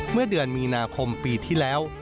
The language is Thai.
เมื่อเดือนมีนาคมปีที่แล้ว